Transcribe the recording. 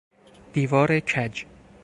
دیوار کج